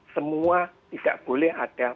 semua tidak boleh ada